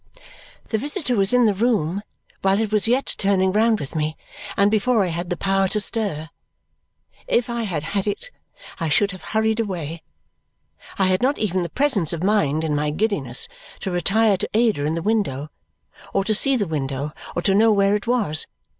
The visitor was in the room while it was yet turning round with me and before I had the power to stir. If I had had it, I should have hurried away. I had not even the presence of mind, in my giddiness, to retire to Ada in the window, or to see the window, or to know where it was.